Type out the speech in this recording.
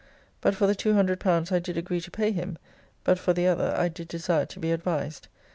But for the L200 I did agree to pay him, but for the other I did desire to be advised.